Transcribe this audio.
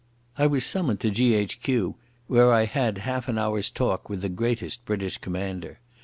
I was summoned to G.H.Q., where I had half an hour's talk with the greatest British commander.